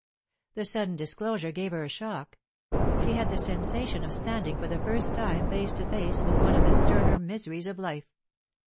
The sudden disclosure gave her a shock. She had the sensation of standing for the first time face to face with one of the sterner miseries of life.